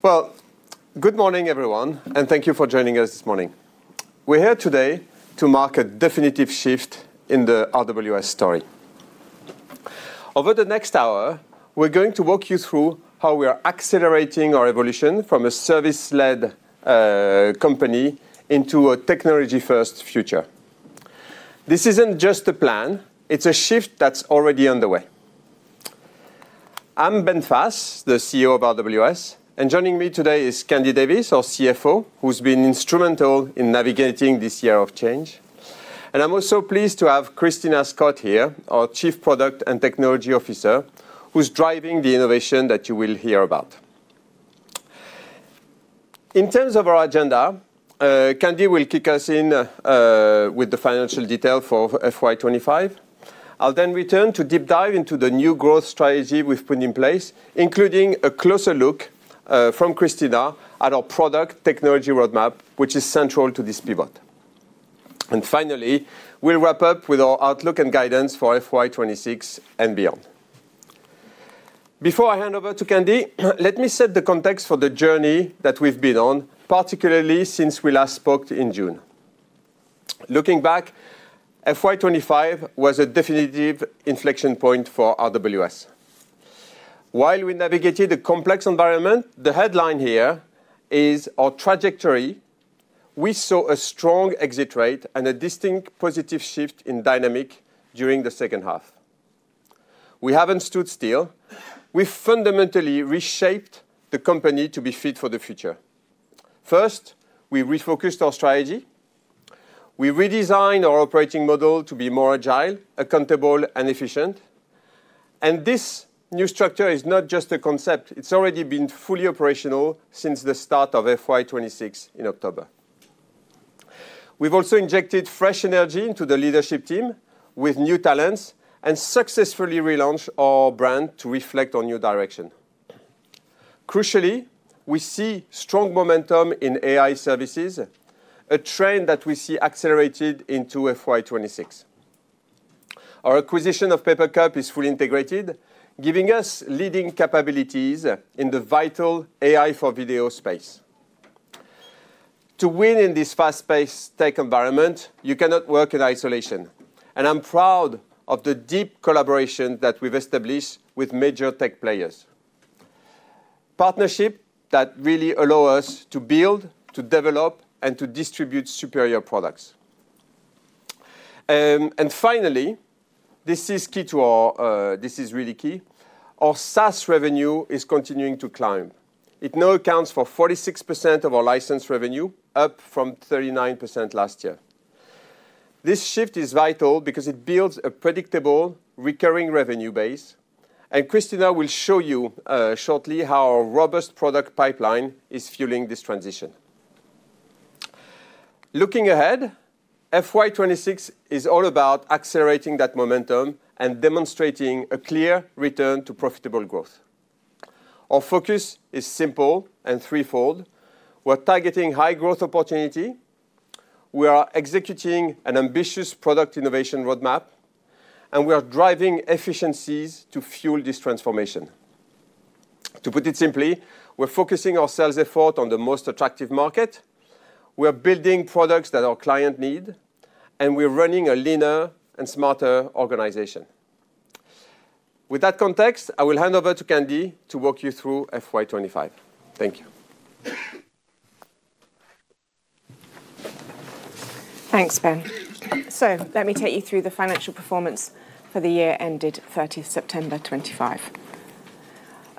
Well, good morning, everyone, and thank you for joining us this morning. We're here today to mark a definitive shift in the RWS story. Over the next hour, we're going to walk you through how we are accelerating our evolution from a service-led company into a technology-first future. This isn't just a plan. It's a shift that's already underway. I'm Ben Faes, the CEO of RWS, and joining me today is Candida Davies, our CFO, who's been instrumental in navigating this year of change. And I'm also pleased to have Christina Scott here, our Chief Product and Technology Officer, who's driving the innovation that you will hear about. In terms of our agenda, Candy will kick us in with the financial details for FY25. I'll then return to deep dive into the new growth strategy we've put in place, including a closer look from Christina at our product technology roadmap, which is central to this pivot, and finally, we'll wrap up with our outlook and guidance for FY26 and beyond. Before I hand over to Candy, let me set the context for the journey that we've been on, particularly since we last spoke in June. Looking back, FY25 was a definitive inflection point for RWS. While we navigated a complex environment, the headline here is our trajectory. We saw a strong exit rate and a distinct positive shift in dynamic during the second half. We haven't stood still. We fundamentally reshaped the company to be fit for the future. First, we refocused our strategy. We redesigned our operating model to be more agile, accountable, and efficient. This new structure is not just a concept. It's already been fully operational since the start of FY26 in October. We've also injected fresh energy into the leadership team with new talents and successfully relaunched our brand to reflect on new direction. Crucially, we see strong momentum in AI services, a trend that we see accelerated into FY26. Our acquisition of Papercup is fully integrated, giving us leading capabilities in the vital AI for video space. To win in this fast-paced tech environment, you cannot work in isolation. I'm proud of the deep collaboration that we've established with major tech players. Partnerships that really allow us to build, to develop, and to distribute superior products. Finally, this is really key. Our SaaS revenue is continuing to climb. It now accounts for 46% of our license revenue, up from 39% last year. This shift is vital because it builds a predictable recurring revenue base, and Christina will show you shortly how our robust product pipeline is fueling this transition. Looking ahead, FY26 is all about accelerating that momentum and demonstrating a clear return to profitable growth. Our focus is simple and threefold. We're targeting high growth opportunity. We are executing an ambitious product innovation roadmap, and we are driving efficiencies to fuel this transformation. To put it simply, we're focusing our sales effort on the most attractive market. We are building products that our clients need, and we're running a leaner and smarter organization. With that context, I will hand over to Candy to walk you through FY25. Thank you. Thanks, Ben, so let me take you through the financial performance for the year ended 30th September 2025.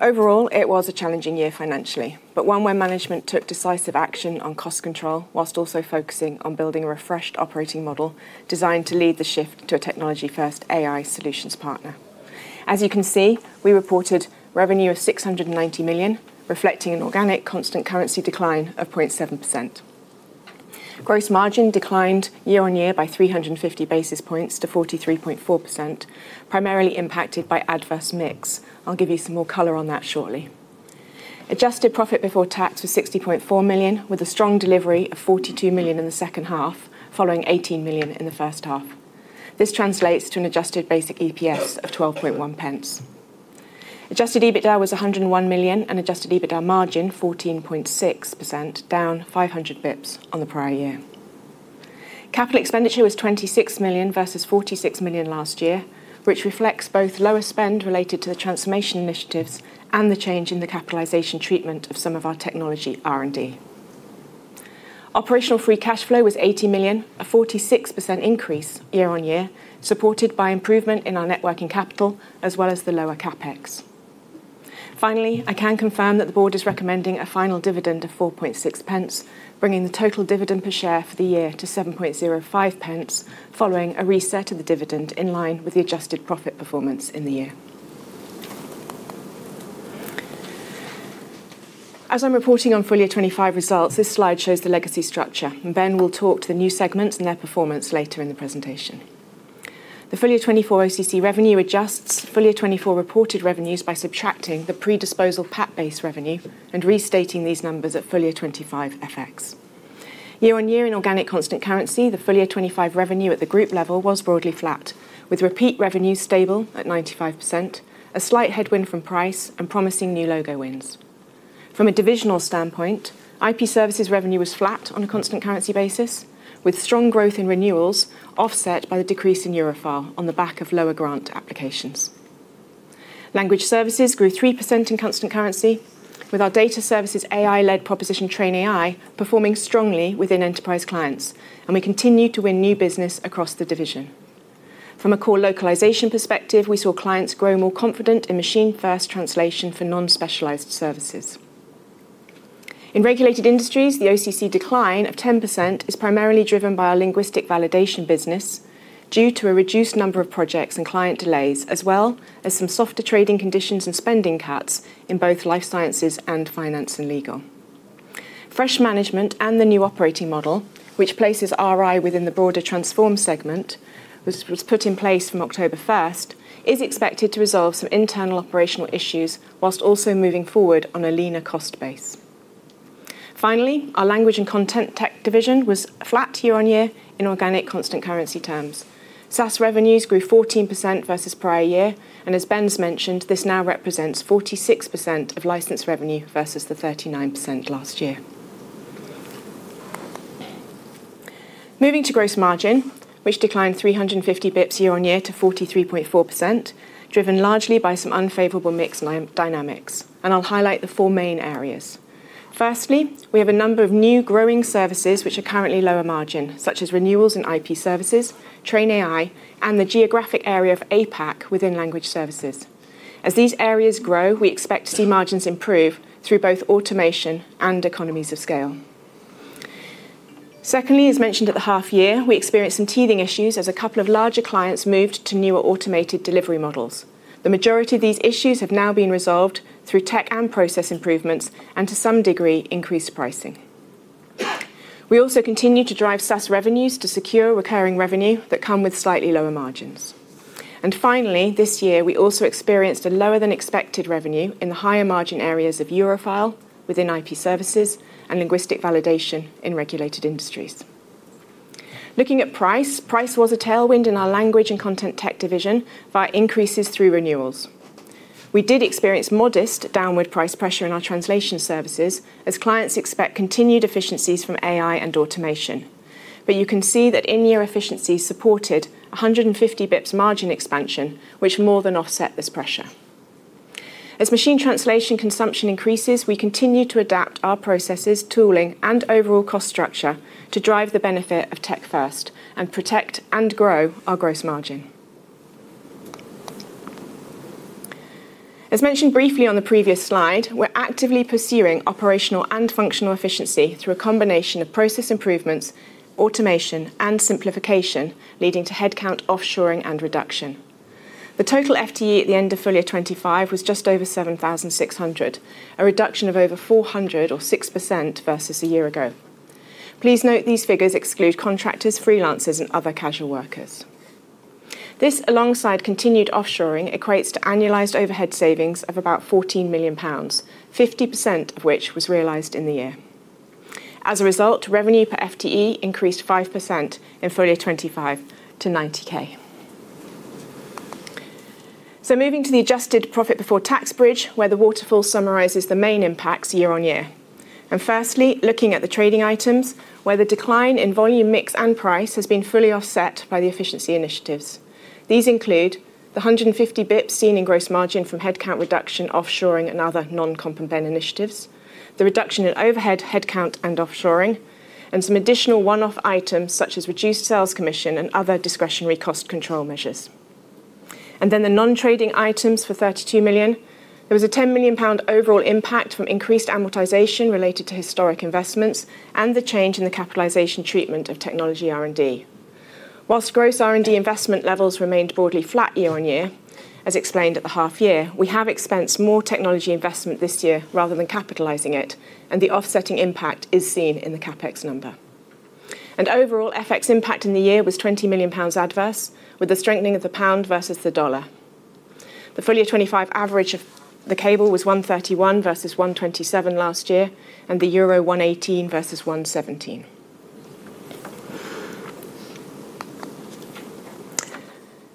Overall, it was a challenging year financially, but one where management took decisive action on cost control while also focusing on building a refreshed operating model designed to lead the shift to a technology-first AI solutions partner. As you can see, we reported revenue of 690 million, reflecting an organic constant currency decline of 0.7%. Gross margin declined year on year by 350 basis points to 43.4%, primarily impacted by adverse mix. I'll give you some more color on that shortly. Adjusted profit before tax was 60.4 million, with a strong delivery of 42 million in the second half, following 18 million in the first half. This translates to an adjusted basic EPS of 12.1 pence. Adjusted EBITDA was 101 million and adjusted EBITDA margin 14.6%, down 500 basis points on the prior year. Capital expenditure was 26 million versus 46 million last year, which reflects both lower spend related to the transformation initiatives and the change in the capitalization treatment of some of our technology R&D. Operational free cash flow was 80 million, a 46% increase year on year, supported by improvement in our working capital as well as the lower CapEx. Finally, I can confirm that the board is recommending a final dividend of 0.046, bringing the total dividend per share for the year to 0.0705, following a reset of the dividend in line with the adjusted profit performance in the year. As I'm reporting on FY25 results, this slide shows the legacy structure. Ben will talk to the new segments and their performance later in the presentation. The FY24 OCC revenue adjusts FY24 reported revenues by subtracting the predisposal PAT base revenue and restating these numbers at FY25 FX. Year on year in organic constant currency, the FY25 revenue at the group level was broadly flat, with repeat revenues stable at 95%, a slight headwind from price, and promising new logo wins. From a divisional standpoint, IP services revenue was flat on a constant currency basis, with strong growth in renewals offset by the decrease in Eurofile on the back of lower grant applications. Language services grew 3% in constant currency, with our data services AI-led proposition TrainAI performing strongly within enterprise clients, and we continue to win new business across the division. From a core localization perspective, we saw clients grow more confident in machine-first translation for non-specialized services. In regulated industries, the OCC decline of 10% is primarily driven by our linguistic validation business due to a reduced number of projects and client delays, as well as some softer trading conditions and spending cuts in both life sciences and finance and legal. Fresh management and the new operating model, which places RI within the broader Transform segment, was put in place from October 1st, is expected to resolve some internal operational issues whilst also moving forward on a leaner cost base. Finally, our language and content tech division was flat year on year in organic constant currency terms. SaaS revenues grew 14% versus prior year, and as Ben's mentioned, this now represents 46% of license revenue versus the 39% last year. Moving to gross margin, which declined 350 basis points year on year to 43.4%, driven largely by some unfavorable mixed dynamics. I'll highlight the four main areas. Firstly, we have a number of new growing services which are currently lower margin, such as renewals and IP services, TrainAI, and the geographic area of APAC within language services. As these areas grow, we expect to see margins improve through both automation and economies of scale. Secondly, as mentioned at the half year, we experienced some teething issues as a couple of larger clients moved to newer automated delivery models. The majority of these issues have now been resolved through tech and process improvements and, to some degree, increased pricing. We also continue to drive SaaS revenues to secure recurring revenue that come with slightly lower margins, and finally, this year, we also experienced a lower-than-expected revenue in the higher margin areas of Eurofile within IP services and linguistic validation in regulated industries. Looking at price, price was a tailwind in our language and content tech division via increases through renewals. We did experience modest downward price pressure in our translation services as clients expect continued efficiencies from AI and automation. But you can see that in-year efficiency supported 150 basis points margin expansion, which more than offset this pressure. As machine translation consumption increases, we continue to adapt our processes, tooling, and overall cost structure to drive the benefit of tech first and protect and grow our gross margin. As mentioned briefly on the previous slide, we're actively pursuing operational and functional efficiency through a combination of process improvements, automation, and simplification, leading to headcount offshoring and reduction. The total FTE at the end of FY25 was just over 7,600, a reduction of over 400 or 6% versus a year ago. Please note these figures exclude contractors, freelancers, and other casual workers. This, alongside continued offshoring, equates to annualized overhead savings of about 14 million pounds, 50% of which was realized in the year. As a result, revenue per FTE increased 5% in FY25 to 90K. So moving to the adjusted profit before tax bridge, where the waterfall summarizes the main impacts year on year. And firstly, looking at the trading items, where the decline in volume mix and price has been fully offset by the efficiency initiatives. These include the 150 basis points seen in gross margin from headcount reduction, offshoring, and other non-comp and ben initiatives, the reduction in overhead headcount and offshoring, and some additional one-off items such as reduced sales commission and other discretionary cost control measures. And then the non-trading items for 32 million. There was a 10 million pound overall impact from increased amortization related to historic investments and the change in the capitalization treatment of technology R&D. While gross R&D investment levels remained broadly flat year on year, as explained at the half year, we have expensed more technology investment this year rather than capitalizing it, and the offsetting impact is seen in the CapEx number, and overall, FX impact in the year was 20 million pounds adverse, with the strengthening of the pound versus the dollar. The FY25 average of the cable was 131 versus 127 last year, and the euro 118 versus 117.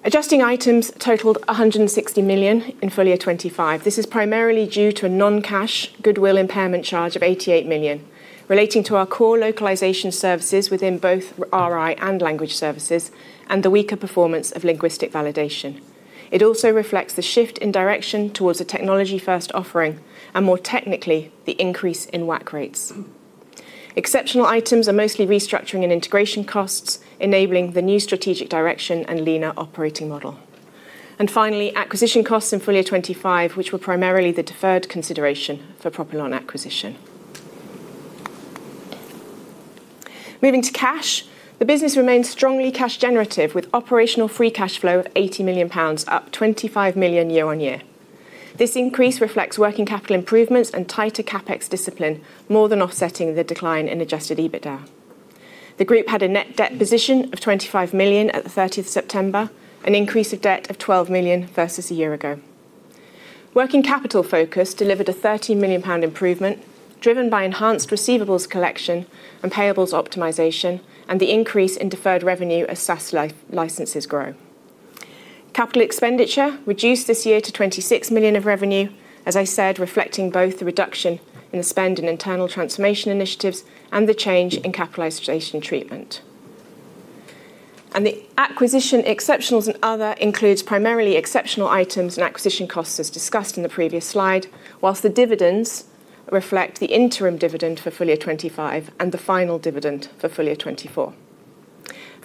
Adjusting items totaled 160 million in FY25. This is primarily due to a non-cash goodwill impairment charge of 88 million, relating to our core localization services within both RI and language services and the weaker performance of linguistic validation. It also reflects the shift in direction towards a technology-first offering and more technically, the increase in WACC rates. Exceptional items are mostly restructuring and integration costs, enabling the new strategic direction and leaner operating model. And finally, acquisition costs in FY25, which were primarily the deferred consideration for PropelOn acquisition. Moving to cash, the business remains strongly cash generative with operational free cash flow of 80 million pounds, up 25 million year on year. This increase reflects working capital improvements and tighter CapEx discipline, more than offsetting the decline in adjusted EBITDA. The group had a net debt position of 25 million at the 30th of September, an increase of debt of 12 million versus a year ago. Working capital focus delivered a 13 million pound improvement driven by enhanced receivables collection and payables optimization and the increase in deferred revenue as SaaS licenses grow. Capital expenditure reduced this year to 26 million of revenue, as I said, reflecting both the reduction in the spend in internal transformation initiatives and the change in capitalization treatment, and the acquisition exceptionals and other includes primarily exceptional items and acquisition costs as discussed in the previous slide, whilst the dividends reflect the interim dividend for FY25 and the final dividend for FY24.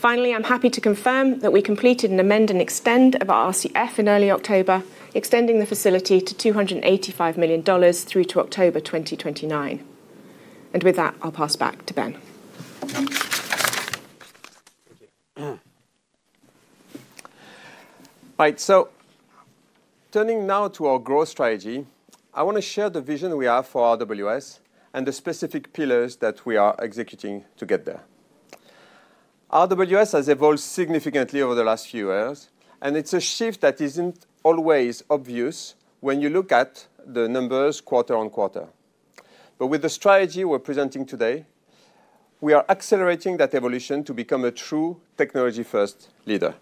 Finally, I'm happy to confirm that we completed an amend and extend of our RCF in early October, extending the facility to $285 million through to October 2029, and with that, I'll pass back to Ben. Thank you. Right, so turning now to our growth strategy, I want to share the vision we have for RWS and the specific pillars that we are executing to get there. RWS has evolved significantly over the last few years, and it's a shift that isn't always obvious when you look at the numbers quarter on quarter, but with the strategy we're presenting today, we are accelerating that evolution to become a true technology-first leader.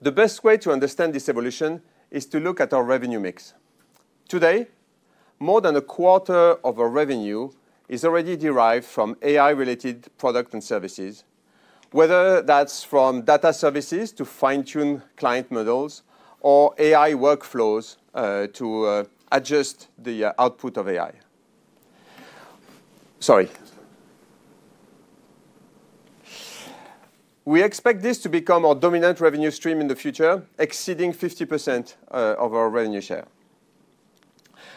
The best way to understand this evolution is to look at our revenue mix. Today, more than a quarter of our revenue is already derived from AI-related products and services, whether that's from data services to fine-tune client models or AI workflows to adjust the output of AI. Sorry. We expect this to become our dominant revenue stream in the future, exceeding 50% of our revenue share.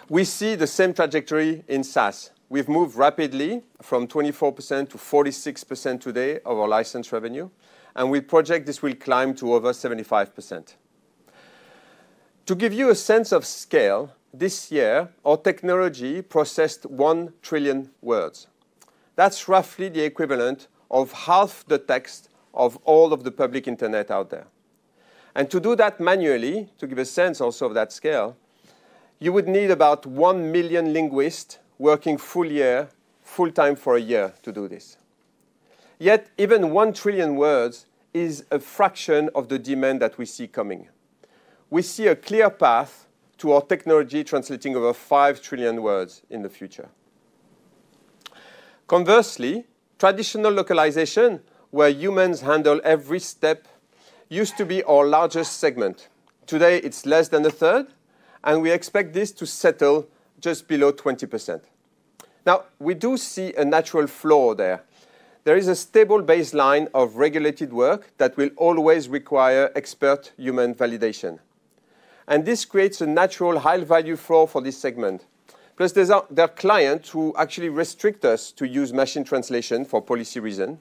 We see the same trajectory in SaaS. We've moved rapidly from 24% to 46% today of our license revenue, and we project this will climb to over 75%. To give you a sense of scale, this year, our technology processed 1 trillion words. That's roughly the equivalent of half the text of all of the public internet out there. And to do that manually, to give a sense also of that scale, you would need about 1 million linguists working full year, full-time for a year to do this. Yet even 1 trillion words is a fraction of the demand that we see coming. We see a clear path to our technology translating over 5 trillion words in the future. Conversely, traditional localization, where humans handle every step, used to be our largest segment. Today, it's less than a third, and we expect this to settle just below 20%. Now, we do see a natural floor there. There is a stable baseline of regulated work that will always require expert human validation and this creates a natural high-value floor for this segment. Plus, there are clients who actually restrict our use of machine translation for policy reasons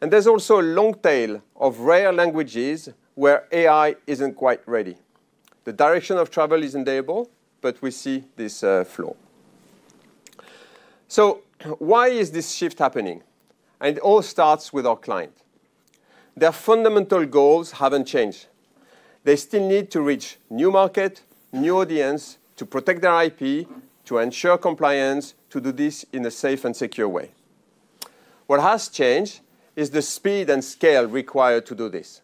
and there's also a long tail of rare languages where AI isn't quite ready. The direction of travel is inevitable, but we see this floor, so why is this shift happening and it all starts with our client. Their fundamental goals haven't changed. They still need to reach new markets, new audiences, to protect their IP, to ensure compliance, to do this in a safe and secure way. What has changed is the speed and scale required to do this.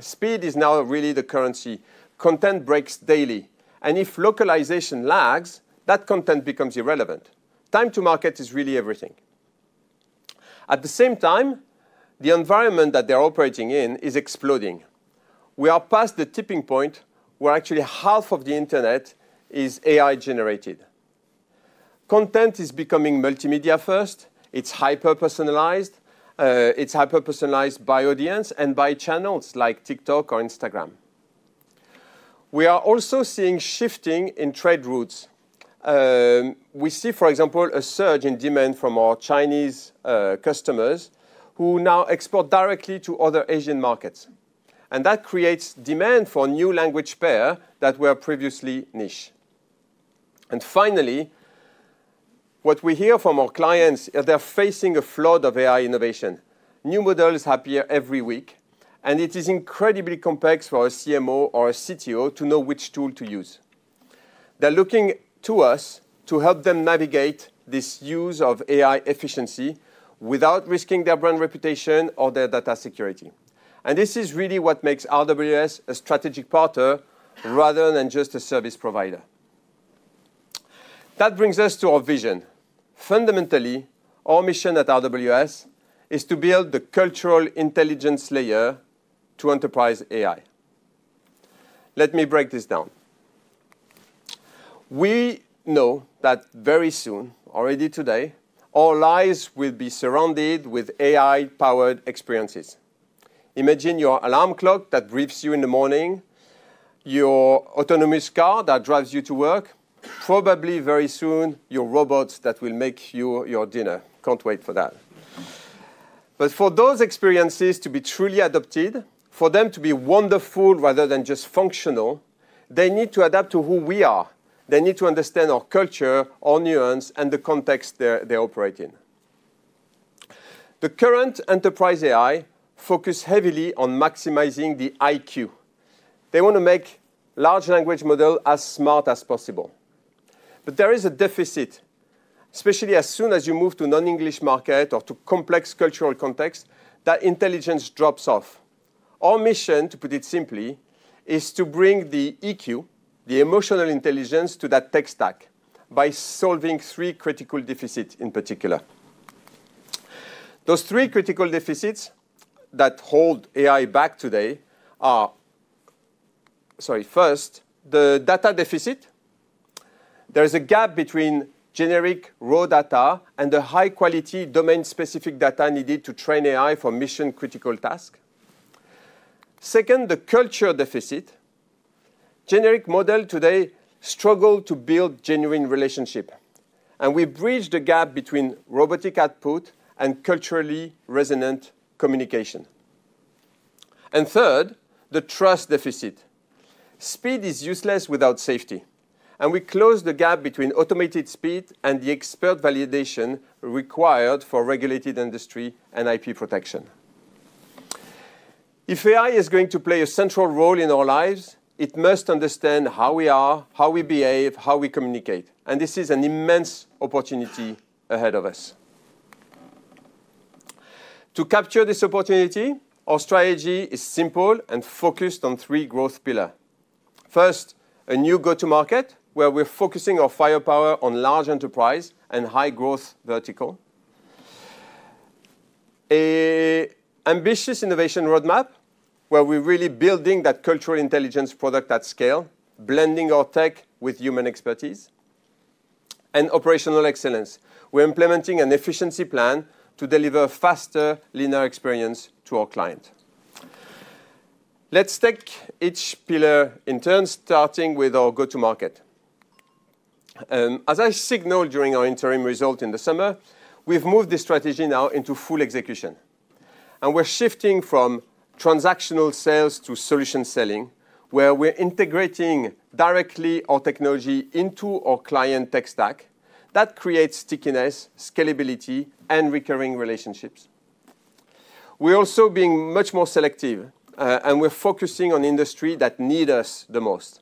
Speed is now really the currency. Content breaks daily and if localization lags, that content becomes irrelevant. Time to market is really everything. At the same time, the environment that they're operating in is exploding. We are past the tipping point where actually half of the internet is AI-generated. Content is becoming multimedia-first. It's hyper-personalized. It's hyper-personalized by audience and by channels like TikTok or Instagram. We are also seeing shifting in trade routes. We see, for example, a surge in demand from our Chinese customers who now export directly to other Asian markets. And that creates demand for new language pairs that were previously niche. And finally, what we hear from our clients is they're facing a flood of AI innovation. New models appear every week, and it is incredibly complex for a CMO or a CTO to know which tool to use. They're looking to us to help them navigate this use of AI efficiency without risking their brand reputation or their data security. And this is really what makes RWS a strategic partner rather than just a service provider. That brings us to our vision. Fundamentally, our mission at RWS is to build the cultural intelligence layer to enterprise AI. Let me break this down. We know that very soon, already today, our lives will be surrounded with AI-powered experiences. Imagine your alarm clock that briefs you in the morning, your autonomous car that drives you to work. Probably very soon, your robots that will make your dinner. Can't wait for that. But for those experiences to be truly adopted, for them to be wonderful rather than just functional, they need to adapt to who we are. They need to understand our culture, our nuance, and the context they're operating in. The current enterprise AI focuses heavily on maximizing the IQ. They want to make large language models as smart as possible. But there is a deficit, especially as soon as you move to a non-English market or to a complex cultural context, that intelligence drops off. Our mission, to put it simply, is to bring the EQ, the emotional intelligence, to that tech stack by solving three critical deficits in particular. Those three critical deficits that hold AI back today are, sorry, first, the data deficit. There is a gap between generic raw data and the high-quality domain-specific data needed to train AI for mission-critical tasks. Second, the culture deficit. Generic models today struggle to build genuine relationships. And we bridge the gap between robotic output and culturally resonant communication. And third, the trust deficit. Speed is useless without safety. And we close the gap between automated speed and the expert validation required for regulated industry and IP protection. If AI is going to play a central role in our lives, it must understand how we are, how we behave, how we communicate, and this is an immense opportunity ahead of us. To capture this opportunity, our strategy is simple and focused on three growth pillars. First, a new go-to-market where we're focusing our firepower on large enterprise and high-growth verticals. An ambitious innovation roadmap where we're really building that cultural intelligence product at scale, blending our tech with human expertise, and operational excellence. We're implementing an efficiency plan to deliver a faster, leaner experience to our client. Let's take each pillar in turn, starting with our go-to-market. As I signaled during our interim result in the summer, we've moved this strategy now into full execution, and we're shifting from transactional sales to solution selling, where we're integrating directly our technology into our client tech stack. That creates stickiness, scalability, and recurring relationships. We're also being much more selective, and we're focusing on industries that need us the most.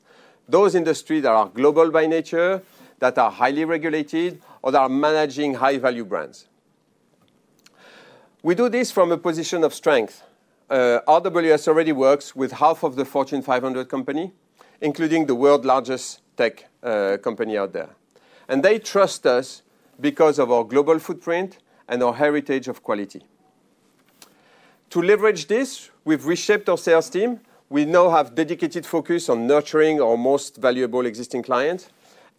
Those industries that are global by nature, that are highly regulated, or that are managing high-value brands. We do this from a position of strength. RWS already works with half of the Fortune 500 companies, including the world's largest tech company out there, and they trust us because of our global footprint and our heritage of quality. To leverage this, we've reshaped our sales team. We now have a dedicated focus on nurturing our most valuable existing clients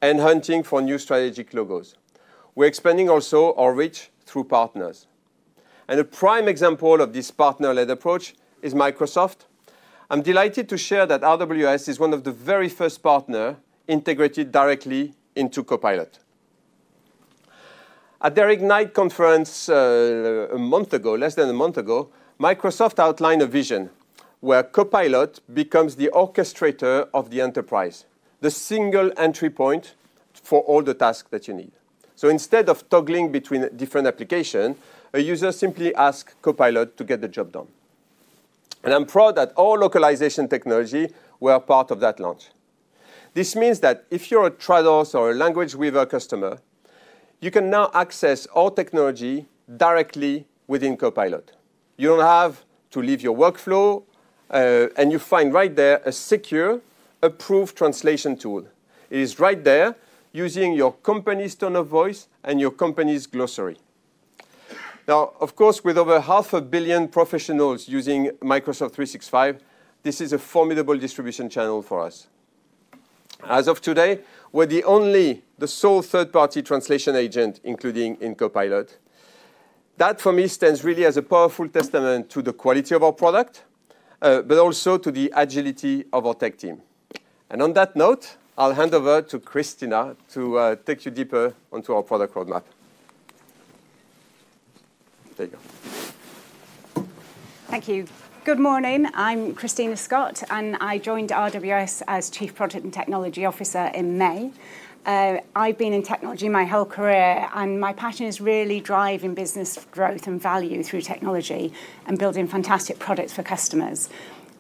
and hunting for new strategic logos. We're expanding also our reach through partners, and a prime example of this partner-led approach is Microsoft. I'm delighted to share that RWS is one of the very first partners integrated directly into Copilot. At their Ignite conference a month ago, less than a month ago, Microsoft outlined a vision where Copilot becomes the orchestrator of the enterprise, the single entry point for all the tasks that you need. So instead of toggling between different applications, a user simply asks Copilot to get the job done. And I'm proud that all localization technology was part of that launch. This means that if you're a Trados or a Language Weaver customer, you can now access all technology directly within Copilot. You don't have to leave your workflow, and you find right there a secure, approved translation tool. It is right there using your company's tone of voice and your company's glossary. Now, of course, with over 500 million professionals using Microsoft 365, this is a formidable distribution channel for us. As of today, we're the only, the sole third-party translation agent, including in Copilot. That, for me, stands really as a powerful testament to the quality of our product, but also to the agility of our tech team. And on that note, I'll hand over to Christina to take you deeper onto our product roadmap. There you go. Thank you. Good morning. I'm Christina Scott, and I joined RWS as Chief Product and Technology Officer in May. I've been in technology my whole career, and my passion is really driving business growth and value through technology and building fantastic products for customers.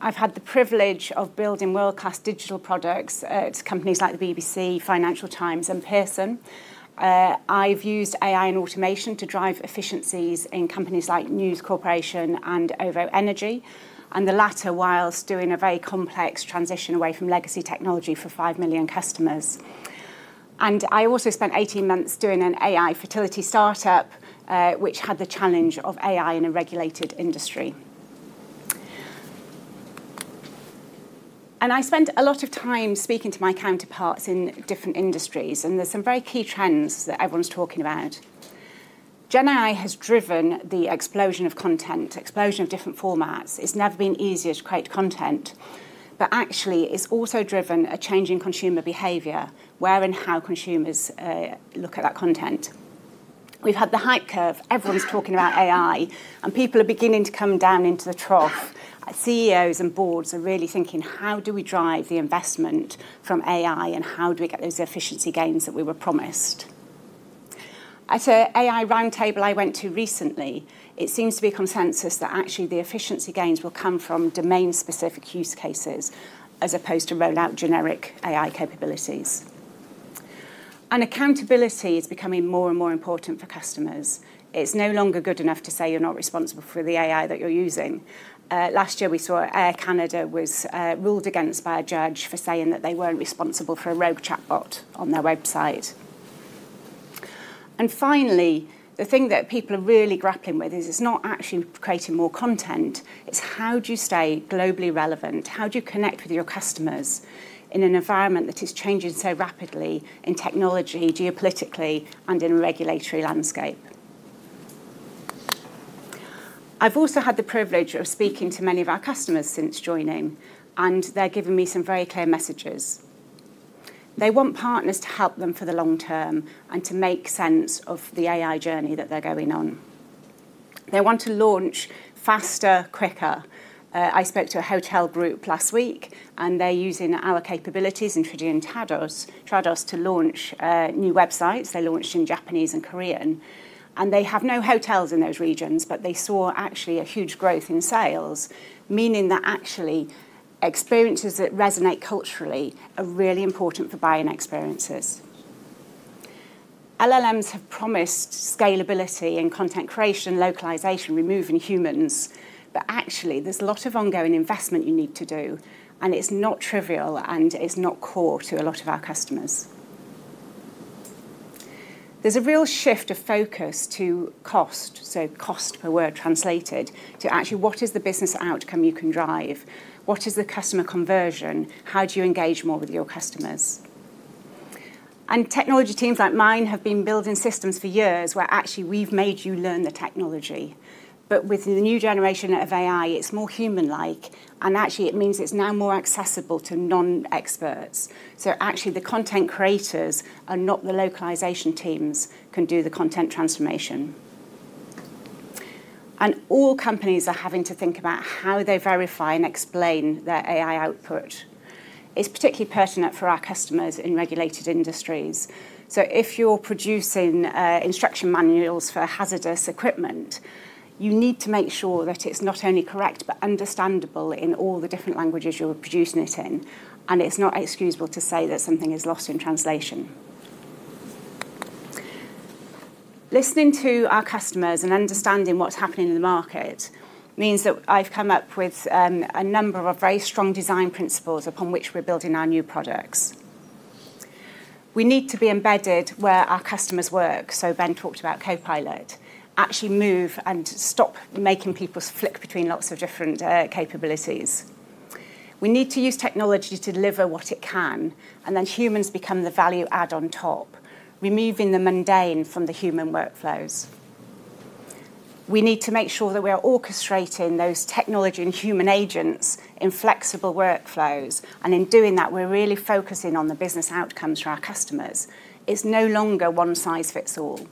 I've had the privilege of building world-class digital products at companies like the BBC, Financial Times, and Pearson. I've used AI and automation to drive efficiencies in companies like News Corporation and OVO Energy, and the latter whilst doing a very complex transition away from legacy technology for five million customers. And I also spent 18 months doing an AI fertility startup, which had the challenge of AI in a regulated industry. And I spent a lot of time speaking to my counterparts in different industries, and there's some very key trends that everyone's talking about. Gen AI has driven the explosion of content, the explosion of different formats. It's never been easier to create content, but actually, it's also driven a change in consumer behavior, where and how consumers look at that content. We've had the hype curve. Everyone's talking about AI, and people are beginning to come down into the trough. CEOs and boards are really thinking, how do we drive the investment from AI, and how do we get those efficiency gains that we were promised? At an AI roundtable I went to recently, it seems to be a consensus that actually the efficiency gains will come from domain-specific use cases as opposed to rolling out generic AI capabilities, and accountability is becoming more and more important for customers. It's no longer good enough to say you're not responsible for the AI that you're using. Last year, we saw Air Canada was ruled against by a judge for saying that they weren't responsible for a rogue chatbot on their website, and finally, the thing that people are really grappling with is it's not actually creating more content. It's how do you stay globally relevant? How do you connect with your customers in an environment that is changing so rapidly in technology, geopolitically, and in a regulatory landscape? I've also had the privilege of speaking to many of our customers since joining, and they're giving me some very clear messages. They want partners to help them for the long term and to make sense of the AI journey that they're going on. They want to launch faster, quicker. I spoke to a hotel group last week, and they're using our capabilities in Trados to launch new websites. They launched in Japanese and Korean. And they have no hotels in those regions, but they saw actually a huge growth in sales, meaning that actually experiences that resonate culturally are really important for buying experiences. LLMs have promised scalability in content creation and localization, removing humans, but actually, there's a lot of ongoing investment you need to do, and it's not trivial, and it's not core to a lot of our customers. There's a real shift of focus to cost, so cost per word translated, to actually what is the business outcome you can drive? What is the customer conversion? How do you engage more with your customers? And technology teams like mine have been building systems for years where actually we've made you learn the technology. But with the new generation of AI, it's more human-like, and actually, it means it's now more accessible to non-experts. So actually, the content creators and not the localization teams can do the content transformation. And all companies are having to think about how they verify and explain their AI output. It's particularly pertinent for our customers in regulated industries. So if you're producing instruction manuals for hazardous equipment, you need to make sure that it's not only correct but understandable in all the different languages you're producing it in, and it's not excusable to say that something is lost in translation. Listening to our customers and understanding what's happening in the market means that I've come up with a number of very strong design principles upon which we're building our new products. We need to be embedded where our customers work, so Ben talked about Copilot, actually move and stop making people flick between lots of different capabilities. We need to use technology to deliver what it can, and then humans become the value add on top, removing the mundane from the human workflows. We need to make sure that we are orchestrating those technology and human agents in flexible workflows, and in doing that, we're really focusing on the business outcomes for our customers. It's no longer one size fits all.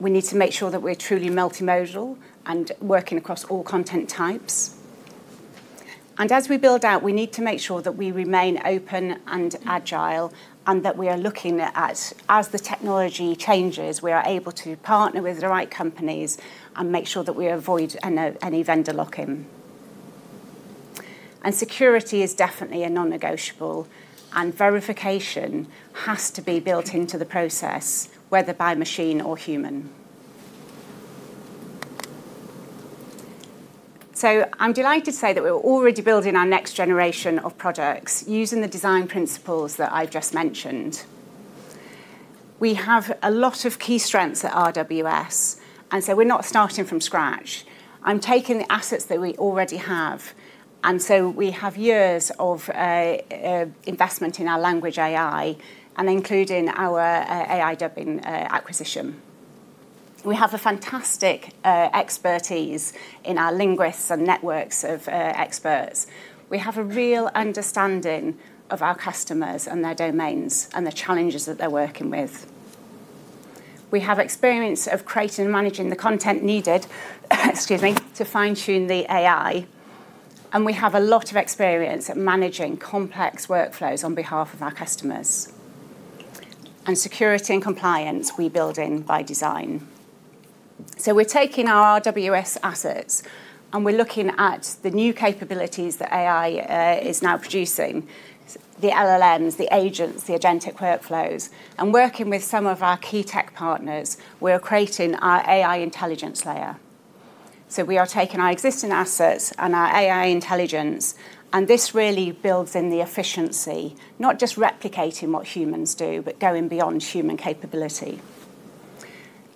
We need to make sure that we're truly multimodal and working across all content types. And as we build out, we need to make sure that we remain open and agile and that we are looking at, as the technology changes, we are able to partner with the right companies and make sure that we avoid any vendor lock-in. And security is definitely a non-negotiable, and verification has to be built into the process, whether by machine or human. I'm delighted to say that we're already building our next generation of products using the design principles that I've just mentioned. We have a lot of key strengths at RWS, and so we're not starting from scratch. I'm taking the assets that we already have, and so we have years of investment in our language AI and including our AI dubbing acquisition. We have a fantastic expertise in our linguists and networks of experts. We have a real understanding of our customers and their domains and the challenges that they're working with. We have experience of creating and managing the content needed, excuse me, to fine-tune the AI, and we have a lot of experience at managing complex workflows on behalf of our customers. And security and compliance, we build in by design. So we're taking our RWS assets, and we're looking at the new capabilities that AI is now producing, the LLMs, the agents, the agentic workflows, and working with some of our key tech partners. We're creating our AI intelligence layer. So we are taking our existing assets and our AI intelligence, and this really builds in the efficiency, not just replicating what humans do, but going beyond human capability.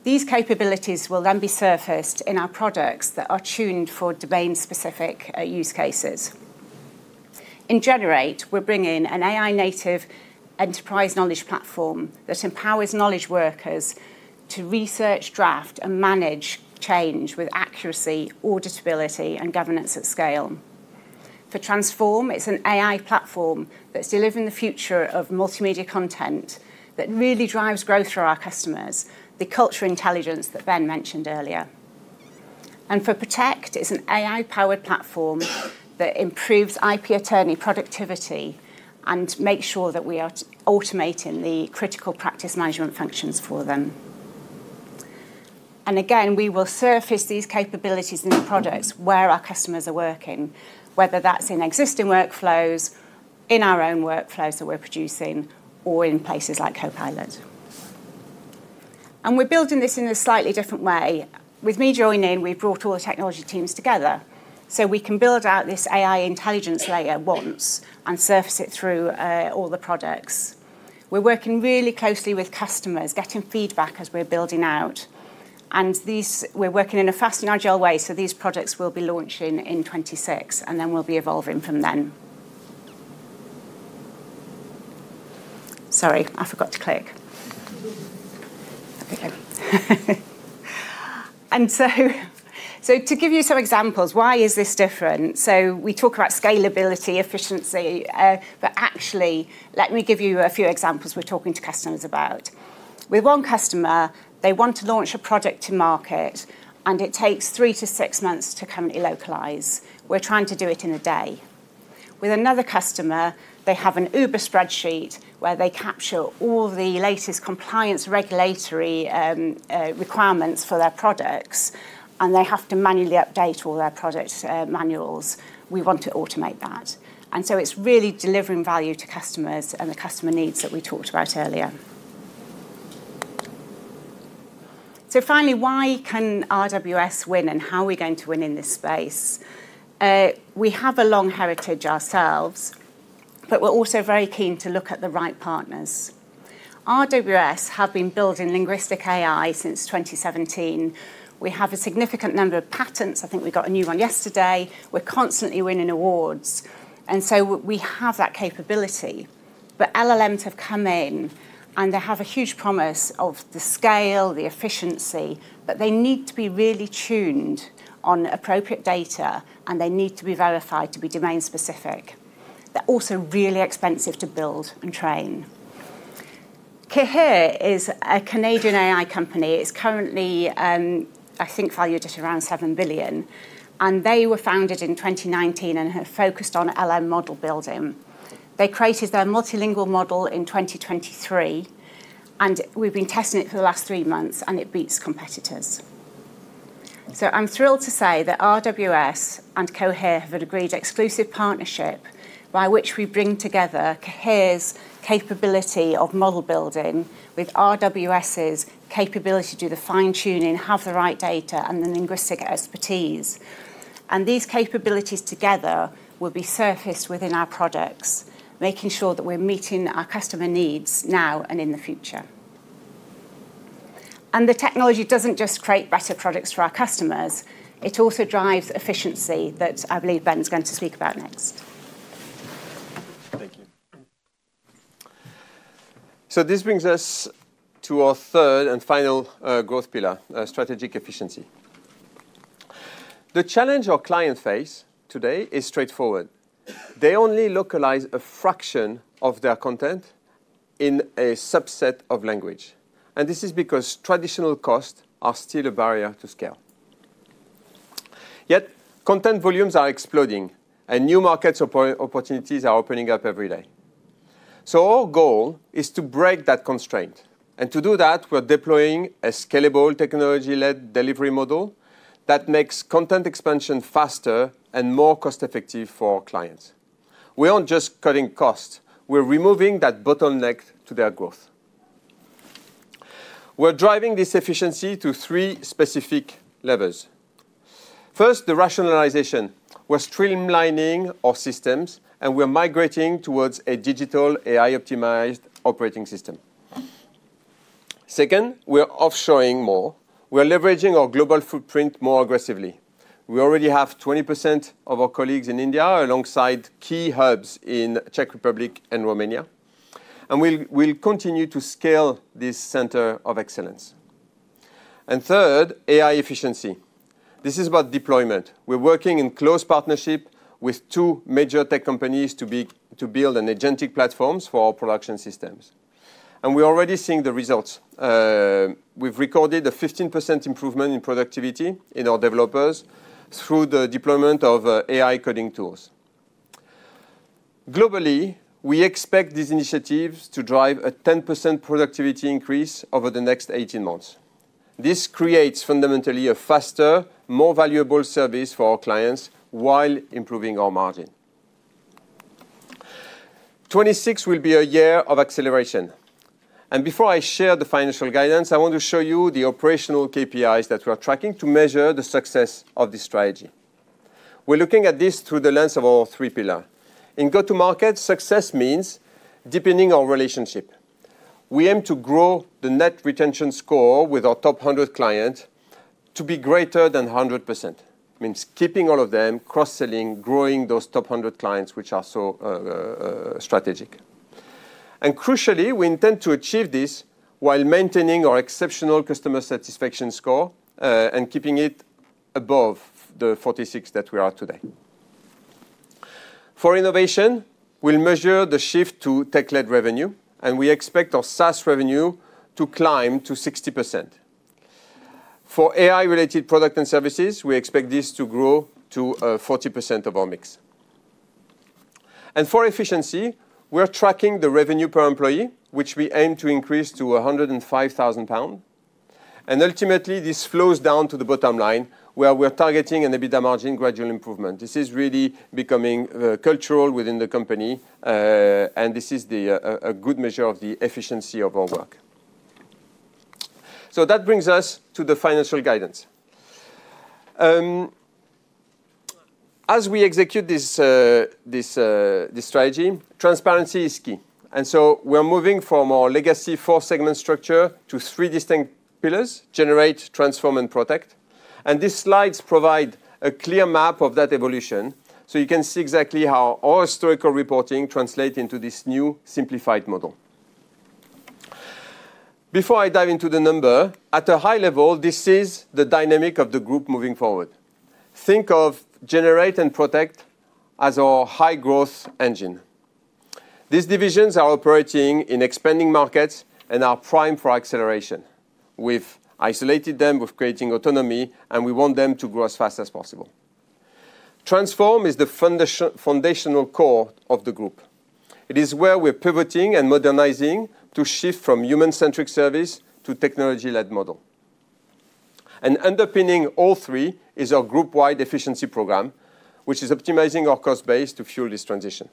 These capabilities will then be surfaced in our products that are tuned for domain-specific use cases. In Generate, we're bringing an AI-native enterprise knowledge platform that empowers knowledge workers to research, draft, and manage change with accuracy, auditability, and governance at scale. For Transform, it's an AI platform that's delivering the future of multimedia content that really drives growth for our customers, the cultural intelligence that Ben mentioned earlier. And for Protect, it's an AI-powered platform that improves IP attorney productivity and makes sure that we are automating the critical practice management functions for them. And again, we will surface these capabilities in products where our customers are working, whether that's in existing workflows, in our own workflows that we're producing, or in places like Copilot. And we're building this in a slightly different way. With me joining, we've brought all the technology teams together so we can build out this AI intelligence layer once and surface it through all the products. We're working really closely with customers, getting feedback as we're building out. And we're working in a fast and agile way, so these products will be launching in 2026, and then we'll be evolving from then. Sorry, I forgot to click. Okay. And so to give you some examples, why is this different? So we talk about scalability, efficiency, but actually, let me give you a few examples we're talking to customers about. With one customer, they want to launch a product to market, and it takes three to six months to currently localize. We're trying to do it in a day. With another customer, they have an uber spreadsheet where they capture all the latest compliance regulatory requirements for their products, and they have to manually update all their product manuals. We want to automate that. And so it's really delivering value to customers and the customer needs that we talked about earlier. So finally, why can RWS win, and how are we going to win in this space? We have a long heritage ourselves, but we're also very keen to look at the right partners. RWS have been building linguistic AI since 2017. We have a significant number of patents. I think we got a new one yesterday. We're constantly winning awards. And so we have that capability, but LLMs have come in, and they have a huge promise of the scale, the efficiency, but they need to be really tuned on appropriate data, and they need to be verified to be domain-specific. They're also really expensive to build and train. Cohere is a Canadian AI company. It's currently, I think, valued at around $7 billion, and they were founded in 2019 and have focused on LLM model building. They created their multilingual model in 2023, and we've been testing it for the last three months, and it beats competitors. So I'm thrilled to say that RWS and Cohere have agreed to an exclusive partnership by which we bring together Cohere's capability of model building with RWS's capability to do the fine-tuning, have the right data, and the linguistic expertise. And these capabilities together will be surfaced within our products, making sure that we're meeting our customer needs now and in the future, and the technology doesn't just create better products for our customers. It also drives efficiency that I believe Ben's going to speak about next. Thank you, so this brings us to our third and final growth pillar, strategic efficiency. The challenge our clients face today is straightforward. They only localize a fraction of their content in a subset of language, and this is because traditional costs are still a barrier to scale. Yet content volumes are exploding, and new market opportunities are opening up every day, so our goal is to break that constraint, and to do that, we're deploying a scalable technology-led delivery model that makes content expansion faster and more cost-effective for our clients. We aren't just cutting costs. We're removing that bottleneck to their growth. We're driving this efficiency to three specific levels. First, the rationalization. We're streamlining our systems, and we're migrating towards a digital AI-optimized operating system. Second, we're offshoring more. We're leveraging our global footprint more aggressively. We already have 20% of our colleagues in India alongside key hubs in the Czech Republic and Romania, and we'll continue to scale this center of excellence. And third, AI efficiency. This is about deployment. We're working in close partnership with two major tech companies to build agentic platforms for our production systems. And we're already seeing the results. We've recorded a 15% improvement in productivity in our developers through the deployment of AI coding tools. Globally, we expect these initiatives to drive a 10% productivity increase over the next 18 months. This creates fundamentally a faster, more valuable service for our clients while improving our margin. 2026 will be a year of acceleration. Before I share the financial guidance, I want to show you the operational KPIs that we are tracking to measure the success of this strategy. We're looking at this through the lens of our three pillars. In go-to-market, success means deepening our relationship. We aim to grow the net retention score with our top 100 clients to be greater than 100%. It means keeping all of them, cross-selling, growing those top 100 clients, which are so strategic. Crucially, we intend to achieve this while maintaining our exceptional customer satisfaction score and keeping it above the 46 that we are at today. For innovation, we'll measure the shift to tech-led revenue, and we expect our SaaS revenue to climb to 60%. For AI-related products and services, we expect this to grow to 40% of our mix. And for efficiency, we're tracking the revenue per employee, which we aim to increase to 105,000 pounds. And ultimately, this flows down to the bottom line where we're targeting an EBITDA margin gradual improvement. This is really becoming cultural within the company, and this is a good measure of the efficiency of our work. So that brings us to the financial guidance. As we execute this strategy, transparency is key. And so we're moving from our legacy four-segment structure to three distinct pillars: Generate, Transform, and Protect. And these slides provide a clear map of that evolution, so you can see exactly how our historical reporting translates into this new simplified model. Before I dive into the number, at a high level, this is the dynamic of the group moving forward. Think of Generate and Protect as our high-growth engine. These divisions are operating in expanding markets and are primed for acceleration. We've isolated them with creating autonomy, and we want them to grow as fast as possible. Transform is the foundational core of the group. It is where we're pivoting and modernizing to shift from human-centric service to technology-led model. And underpinning all three is our group-wide efficiency program, which is optimizing our cost base to fuel this transition.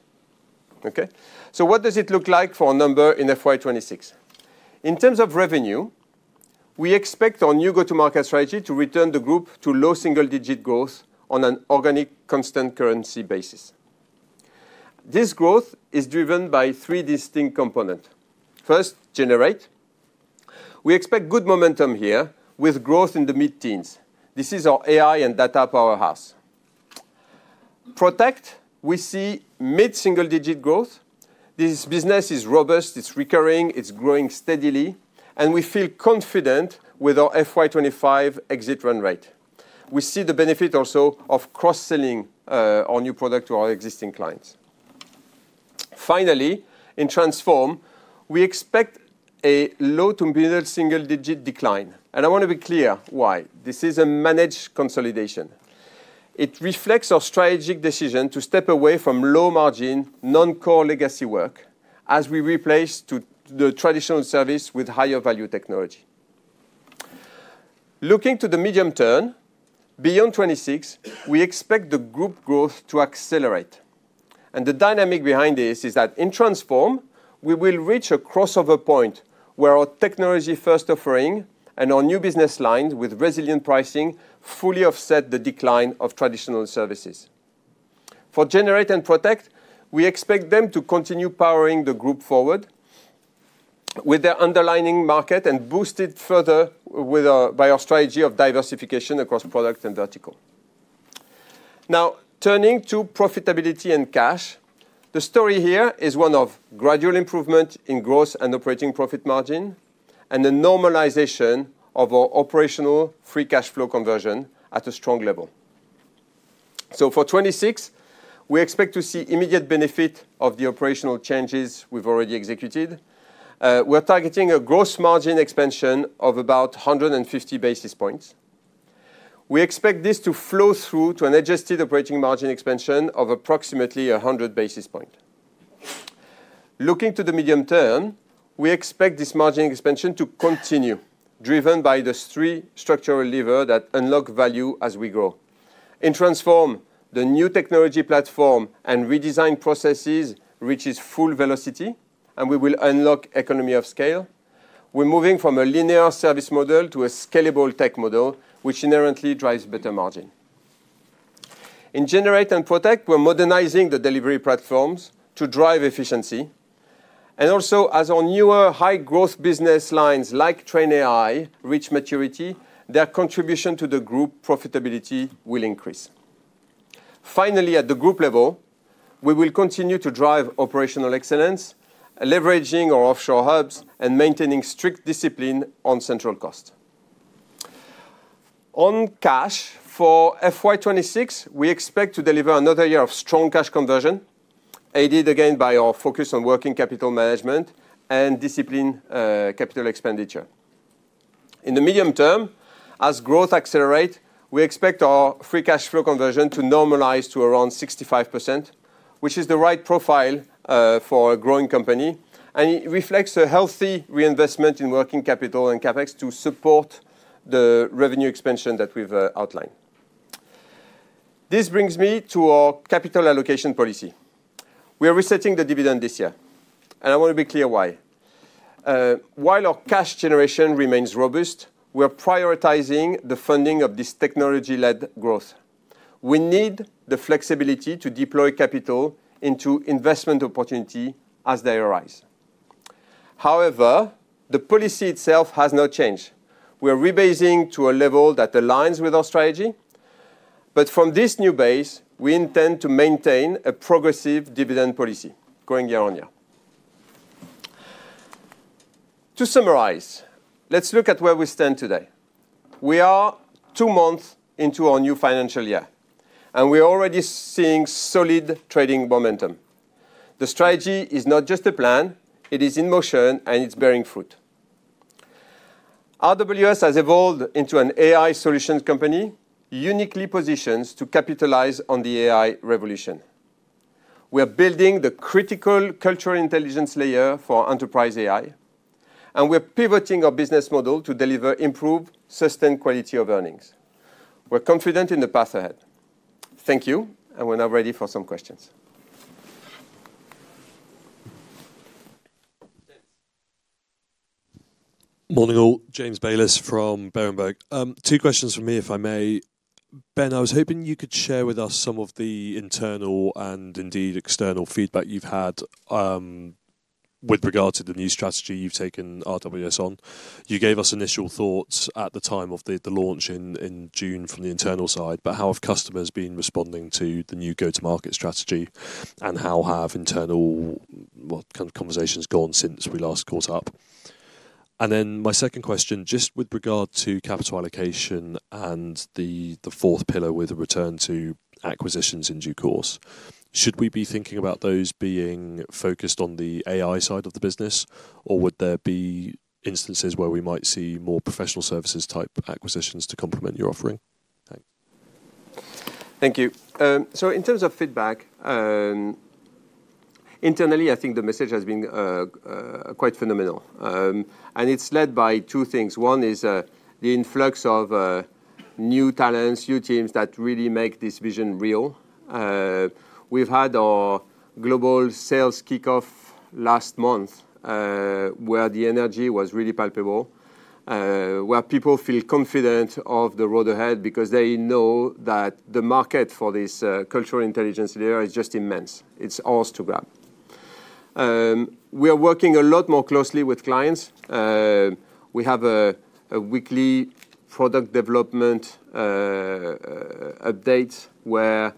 Okay? So what does it look like for a number in FY 2026? In terms of revenue, we expect our new go-to-market strategy to return the group to low single-digit growth on an organic constant currency basis. This growth is driven by three distinct components. First, Generate. We expect good momentum here with growth in the mid-teens. This is our AI and data powerhouse. Protect, we see mid-single-digit growth. This business is robust. It's recurring. It's growing steadily. And we feel confident with our FY 2025 exit run rate. We see the benefit also of cross-selling our new product to our existing clients. Finally, in Transform, we expect a low to middle single-digit decline. And I want to be clear why. This is a managed consolidation. It reflects our strategic decision to step away from low-margin, non-core legacy work as we replace the traditional service with higher-value technology. Looking to the medium term, beyond 2026, we expect the group growth to accelerate. And the dynamic behind this is that in Transform, we will reach a crossover point where our technology-first offering and our new business lines with resilient pricing fully offset the decline of traditional services. For Generate and Protect, we expect them to continue powering the group forward with their underlying market and boost it further by our strategy of diversification across product and vertical. Now, turning to profitability and cash, the story here is one of gradual improvement in gross and operating profit margin and a normalization of our operational free cash flow conversion at a strong level, so for 2026, we expect to see immediate benefit of the operational changes we've already executed. We're targeting a gross margin expansion of about 150 basis points. We expect this to flow through to an adjusted operating margin expansion of approximately 100 basis points. Looking to the medium term, we expect this margin expansion to continue, driven by the three structural levers that unlock value as we grow. In Transform, the new technology platform and redesigned processes reach full velocity, and we will unlock economy of scale. We're moving from a linear service model to a scalable tech model, which inherently drives better margin. In Generate and Protect, we're modernizing the delivery platforms to drive efficiency. And also, as our newer high-growth business lines like TrainAI reach maturity, their contribution to the group profitability will increase. Finally, at the group level, we will continue to drive operational excellence, leveraging our offshore hubs and maintaining strict discipline on central cost. On cash, for FY 2026, we expect to deliver another year of strong cash conversion, aided again by our focus on working capital management and disciplined capital expenditure. In the medium term, as growth accelerates, we expect our free cash flow conversion to normalize to around 65%, which is the right profile for a growing company. And it reflects a healthy reinvestment in working capital and CapEx to support the revenue expansion that we've outlined. This brings me to our capital allocation policy. We are resetting the dividend this year, and I want to be clear why. While our cash generation remains robust, we're prioritizing the funding of this technology-led growth. We need the flexibility to deploy capital into investment opportunity as they arise. However, the policy itself has not changed. We're rebasing to a level that aligns with our strategy. But from this new base, we intend to maintain a progressive dividend policy going year on year. To summarize, let's look at where we stand today. We are two months into our new financial year, and we're already seeing solid trading momentum. The strategy is not just a plan. It is in motion, and it's bearing fruit. RWS has evolved into an AI solutions company, uniquely positioned to capitalize on the AI revolution. We're building the critical cultural intelligence layer for enterprise AI, and we're pivoting our business model to deliver improved, sustained quality of earnings. We're confident in the path ahead. Thank you, and we're now ready for some questions. Morning all. James Bayliss from Berenberg. Two questions from me, if I may. Ben, I was hoping you could share with us some of the internal and indeed external feedback you've had with regard to the new strategy you've taken RWS on. You gave us initial thoughts at the time of the launch in June from the internal side, but how have customers been responding to the new go-to-market strategy, and how have internal kind of conversations gone since we last caught up, and then my second question, just with regard to capital allocation and the fourth pillar with a return to acquisitions in due course, should we be thinking about those being focused on the AI side of the business, or would there be instances where we might see more professional services type acquisitions to complement your offering? Thanks. Thank you. So in terms of feedback, internally, I think the message has been quite phenomenal. And it's led by two things. One is the influx of new talents, new teams that really make this vision real. We've had our global sales kickoff last month, where the energy was really palpable, where people feel confident of the road ahead because they know that the market for this cultural intelligence layer is just immense. It's ours to grab. We are working a lot more closely with clients. We have a weekly product development update where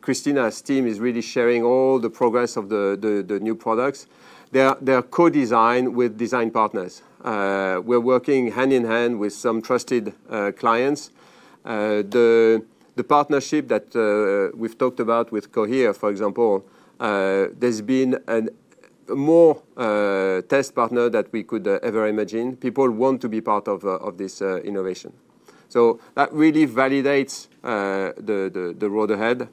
Christina's team is really sharing all the progress of the new products. They're co-designed with design partners. We're working hand in hand with some trusted clients. The partnership that we've talked about with Cohere, for example, there's been more test partners than we could ever imagine. People want to be part of this innovation. So that really validates the road ahead.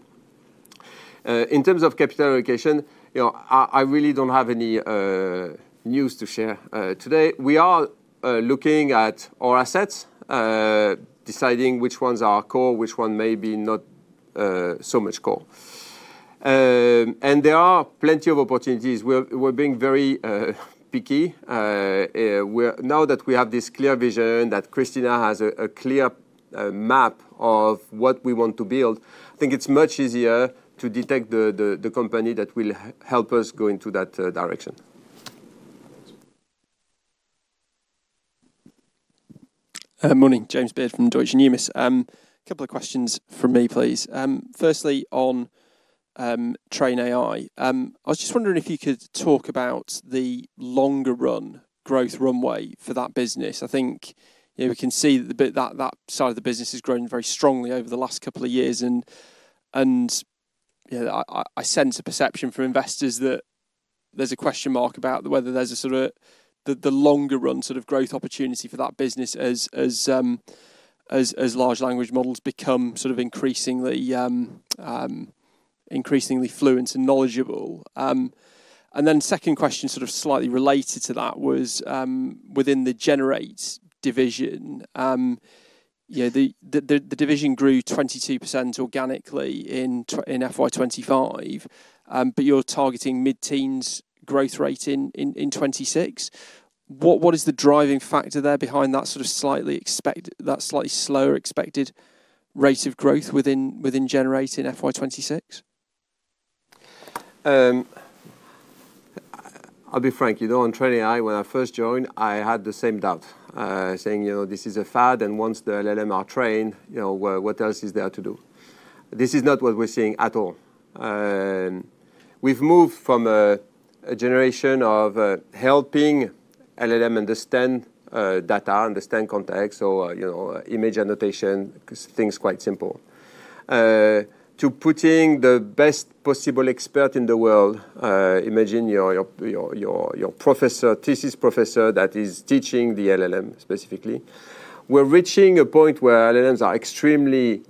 In terms of capital allocation, I really don't have any news to share today. We are looking at our assets, deciding which ones are core, which one may be not so much core. And there are plenty of opportunities. We're being very picky. Now that we have this clear vision, that Christina has a clear map of what we want to build, I think it's much easier to detect the company that will help us go into that direction. Morning, James Bayliss from Deutsche Numis. A couple of questions from me, please. Firstly, on TrainAI, I was just wondering if you could talk about the longer-run growth runway for that business. I think we can see that that side of the business has grown very strongly over the last couple of years. I sense a perception from investors that there's a question mark about whether there's a sort of the longer-run sort of growth opportunity for that business as large language models become sort of increasingly fluent and knowledgeable. And then second question, sort of slightly related to that, was within the Generate division, the division grew 22% organically in FY 2025, but you're targeting mid-teens growth rate in 2026. What is the driving factor there behind that sort of slightly slower expected rate of growth within Generate in FY 2026? I'll be frank. On TrainAI, when I first joined, I had the same doubt, saying, "This is a fad, and once the LLM are trained, what else is there to do?" This is not what we're seeing at all. We've moved from a generation of helping LLM understand data, understand context, so image annotation, things quite simple, to putting the best possible expert in the world. Imagine your thesis professor that is teaching the LLM specifically. We're reaching a point where LLMs are extremely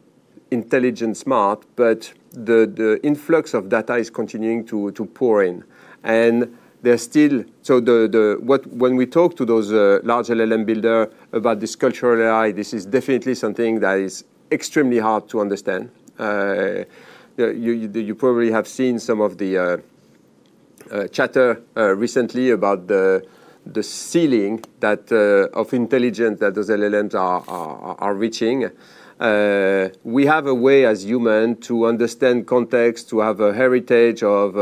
intelligent, smart, but the influx of data is continuing to pour in, and so when we talk to those large LLM builders about this contextual AI, this is definitely something that is extremely hard to understand. You probably have seen some of the chatter recently about the ceiling of intelligence that those LLMs are reaching. We have a way as humans to understand context, to have a hierarchy of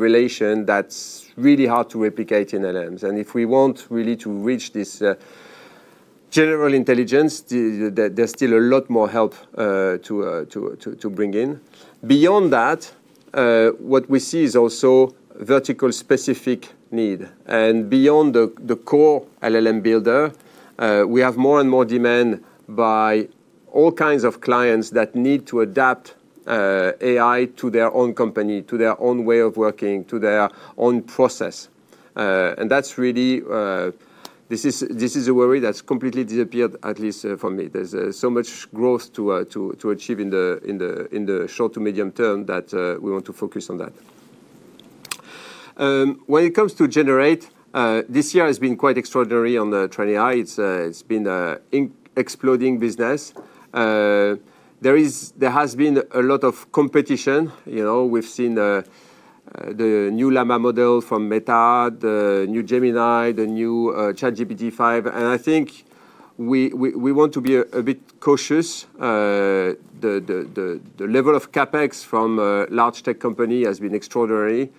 relations that's really hard to replicate in LLMs, and if we want really to reach this general intelligence, there's still a lot more help to bring in. Beyond that, what we see is also vertical-specific need. And beyond the core LLM builder, we have more and more demand by all kinds of clients that need to adapt AI to their own company, to their own way of working, to their own process. And this is a worry that's completely disappeared, at least for me. There's so much growth to achieve in the short to medium term that we want to focus on that. When it comes to Generate, this year has been quite extraordinary on TrainAI. It's been an exploding business. There has been a lot of competition. We've seen the new Llama model from Meta, the new Gemini, the new ChatGPT-5. And I think we want to be a bit cautious. The level of CapEx from large tech companies has been extraordinary.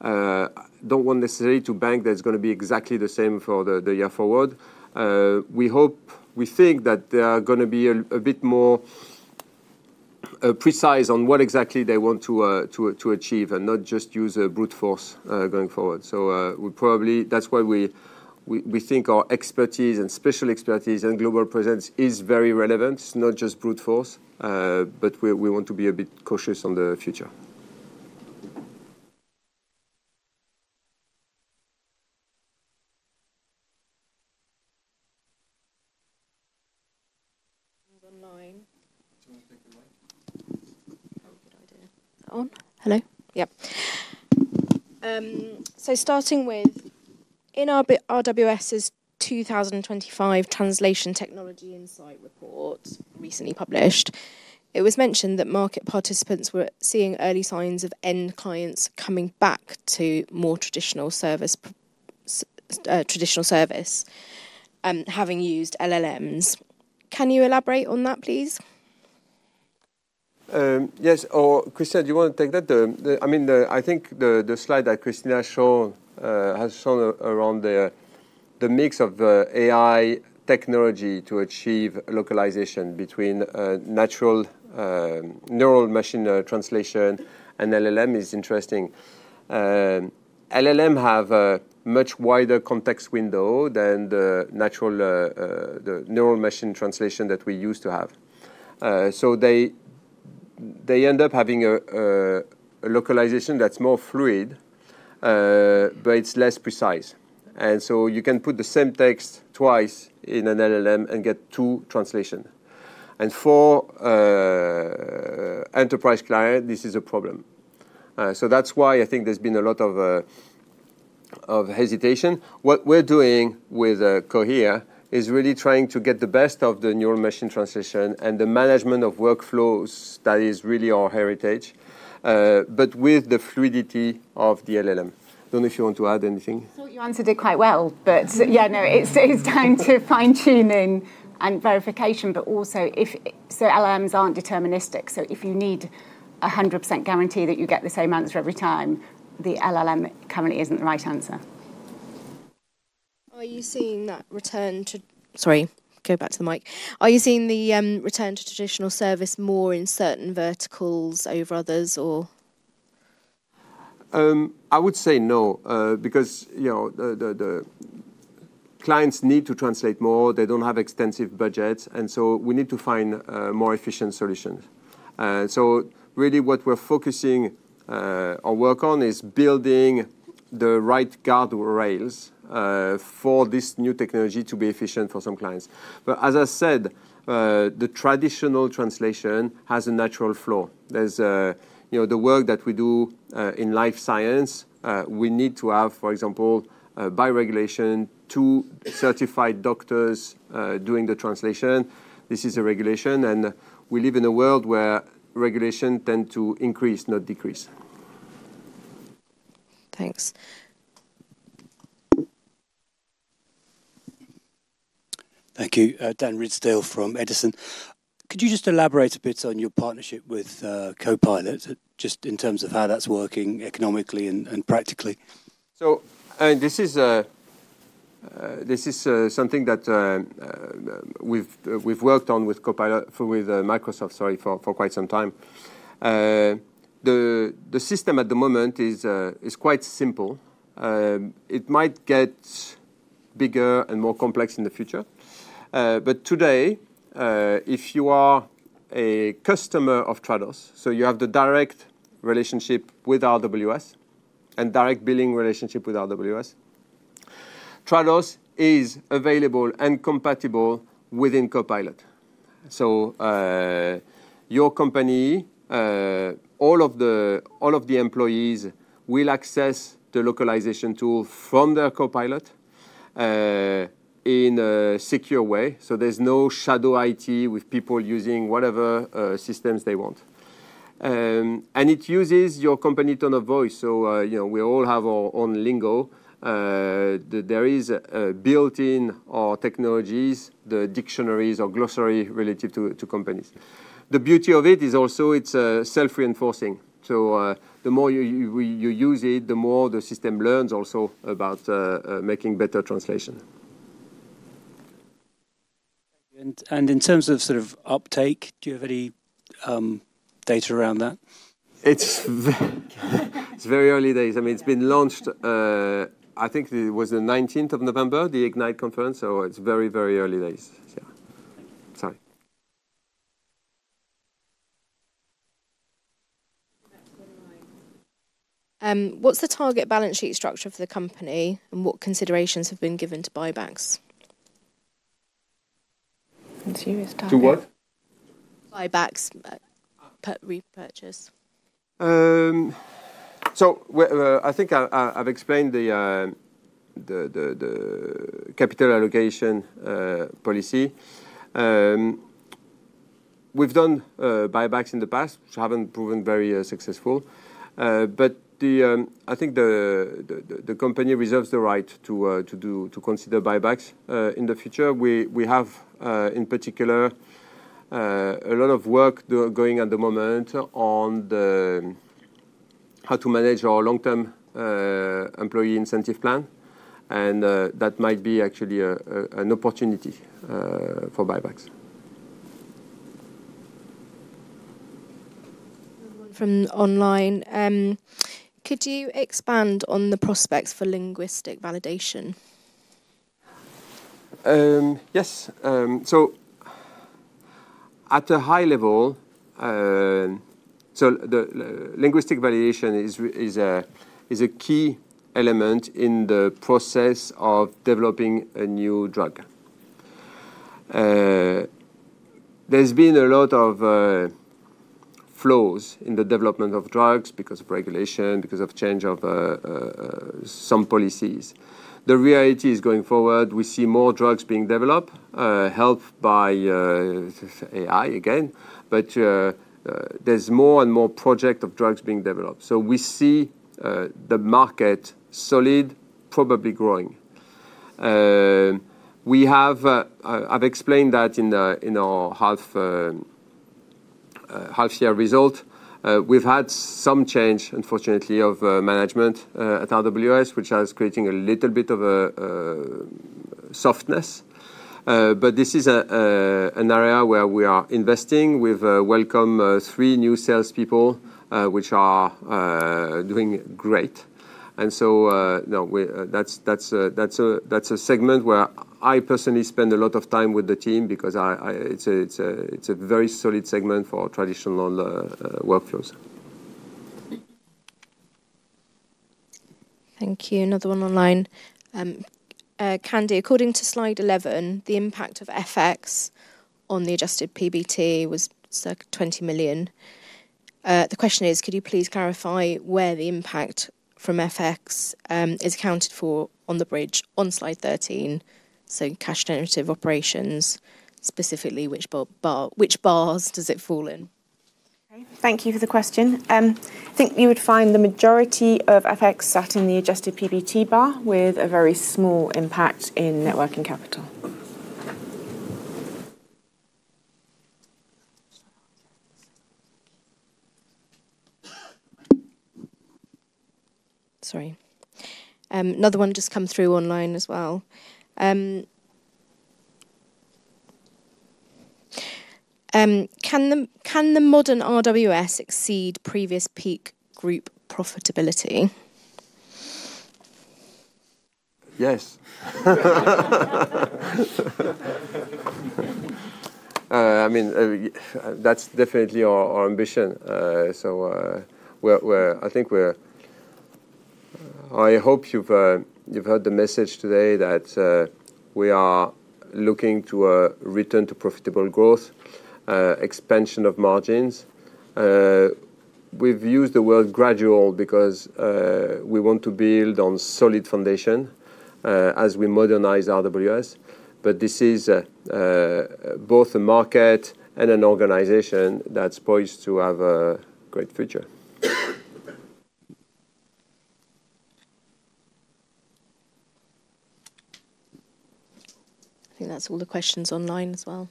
I don't want necessarily to bank that it's going to be exactly the same for the year forward. We think that they are going to be a bit more precise on what exactly they want to achieve and not just use brute force going forward. So that's why we think our expertise and special expertise and global presence is very relevant, not just brute force, but we want to be a bit cautious on the future. Do you want to take the mic? Oh, good idea. That one? Hello? Yep. So, starting with, in RWS's 2025 Translation Technology Insight Report, recently published, it was mentioned that market participants were seeing early signs of end clients coming back to more traditional service, having used LLMs. Can you elaborate on that, please? Yes. Or, Christina, do you want to take that? I mean, I think the slide that Christina has shown around the mix of AI technology to achieve localization between natural neural machine translation and LLM is interesting. LLMs have a much wider context window than the Neural Machine Translation that we used to have. So they end up having a localization that's more fluid, but it's less precise. And so you can put the same text twice in an LLM and get two translations. And for enterprise clients, this is a problem. So that's why I think there's been a lot of hesitation. What we're doing with Cohere is really trying to get the best of the Neural Machine Translation and the management of workflows that is really our heritage, but with the fluidity of the LLM. I don't know if you want to add anything. You answered it quite well, but yeah, no, it's time to fine-tuning and verification, but also if so LLMs aren't deterministic. So if you need a 100% guarantee that you get the same answer every time, the LLM currently isn't the right answer. Are you seeing that return to, sorry, go back to the mic. Are you seeing the return to traditional service more in certain verticals over others, or? I would say no because clients need to translate more. They don't have extensive budgets. And so we need to find more efficient solutions. So really, what we're focusing our work on is building the right guardrails for this new technology to be efficient for some clients. But as I said, the traditional translation has a natural flow. The work that we do in life science, we need to have, for example, by regulation, two certified doctors doing the translation. This is a regulation. And we live in a world where regulations tend to increase, not decrease. Thanks. Thank you. Dan Ridsdale from Edison. Could you just elaborate a bit on your partnership with Copilot, just in terms of how that's working economically and practically? So this is something that we've worked on with Microsoft, sorry, for quite some time. The system at the moment is quite simple. It might get bigger and more complex in the future. But today, if you are a customer of Trados, so you have the direct relationship with RWS and direct billing relationship with RWS, Trados is available and compatible within Copilot. So your company, all of the employees will access the localization tool from their Copilot in a secure way. So there's no shadow IT with people using whatever systems they want. And it uses your company tone of voice. So we all have our own lingo. There are built-in technologies, the dictionaries or glossary relative to companies. The beauty of it is also it's self-reinforcing. So the more you use it, the more the system learns also about making better translation. And in terms of sort of uptake, do you have any data around that? It's very early days. I mean, it's been launched, I think it was the 19th of November, the Ignite conference. So it's very, very early days. Yeah. Thank you. Sorry. What's the target balance sheet structure for the company, and what considerations have been given to buybacks? To what? Buybacks, repurchase. So I think I've explained the capital allocation policy. We've done buybacks in the past, which haven't proven very successful. But I think the company reserves the right to consider buybacks in the future. We have, in particular, a lot of work going at the moment on how to manage our long-term employee incentive plan. And that might be actually an opportunity for buybacks. From online, could you expand on the prospects for linguistic validation? Yes. So at a high level, linguistic validation is a key element in the process of developing a new drug. There's been a lot of flows in the development of drugs because of regulation, because of change of some policies. The reality is going forward, we see more drugs being developed, helped by AI again. But there's more and more projects of drugs being developed. So we see the market solid, probably growing. I've explained that in our half-year result. We've had some change, unfortunately, of management at RWS, which is creating a little bit of a softness. But this is an area where we are investing. We've welcomed three new salespeople, which are doing great. And so that's a segment where I personally spend a lot of time with the team because it's a very solid segment for traditional workflows. Thank you. Another one online. Candy, according to slide 11, the impact of FX on the Adjusted PBT was 20 million. The question is, could you please clarify where the impact from FX is accounted for on the bridge on slide 13? So cash generative operations specifically, which bars does it fall in? Thank you for the question. I think you would find the majority of FX sat in the Adjusted PBT bar with a very small impact in net working capital. Sorry. Another one just come through online as well. Can the modern RWS exceed previous peak group profitability? Yes. I mean, that's definitely our ambition. So I think we're, I hope you've heard the message today that we are looking to return to profitable growth, expansion of margins. We've used the word gradual because we want to build on solid foundation as we modernize RWS, but this is both a market and an organization that's poised to have a great future. I think that's all the questions online as well.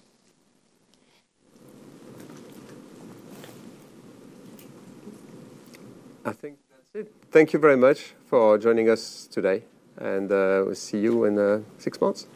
I think that's it. Thank you very much for joining us today, and we'll see you in six months.